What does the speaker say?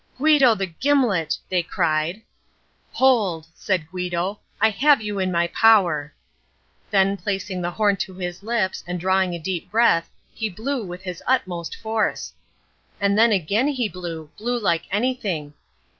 "Guido the Gimlet!" they cried. "Hold," said Guido, "I have you in my power!!" Then placing the horn to his lips and drawing a deep breath, he blew with his utmost force. And then again he blew—blew like anything.